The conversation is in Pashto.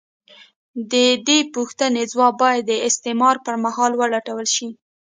د دې پوښتنې ځواب باید د استعمار پر مهال ولټول شي.